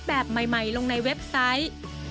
แบบใหม่ลงในเว็บไซต์